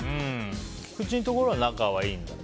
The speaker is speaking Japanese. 菊地のところは仲いいんだよね。